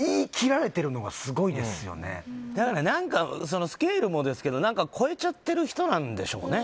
何かそのスケールもですけど何か超えちゃってる人なんでしょうね